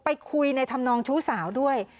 ไปคุยในธรรมนองชู้สาวด้วย